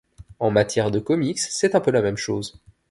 En matière de comics c’est un peu la même chose.